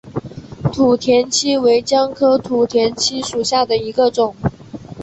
土田七为姜科土田七属下的一个种。